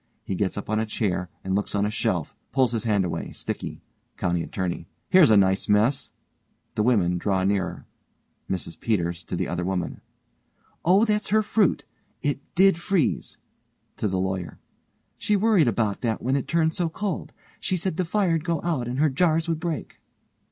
He gets up on a chair and looks on a shelf. Pulls his hand away, sticky_.) COUNTY ATTORNEY: Here's a nice mess. (The women draw nearer.) MRS PETERS: (to the other woman) Oh, her fruit; it did freeze, (to the LAWYER) She worried about that when it turned so cold. She said the fire'd go out and her jars would break.